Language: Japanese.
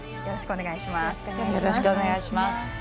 よろしくお願いします。